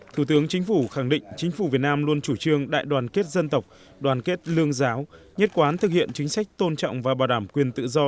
thủ tướng chính phủ khẳng định chính phủ việt nam luôn chủ trương đại đoàn kết dân tộc đoàn kết lương giáo nhất quán thực hiện chính sách tôn trọng và bảo đảm quyền tự do